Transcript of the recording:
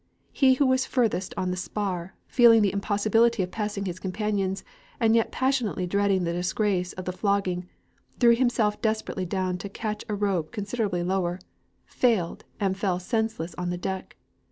He who was the farthest on the spar, feeling the impossibility of passing his companions, and yet passionately dreading the disgrace of the flogging, threw himself desperately down to catch a rope considerably lower, failed, and fell senseless on the deck.